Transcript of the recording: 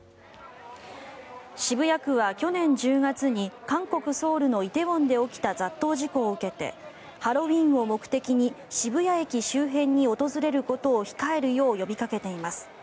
渋谷区は去年１０月に韓国ソウルの梨泰院で起きた雑踏事故を受けてハロウィーンを目的に渋谷駅周辺に訪れることを控えるよう呼びかけています。